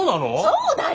そうだよ！